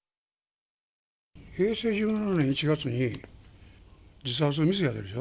平成１７年１月に、自殺未遂やってるでしょ。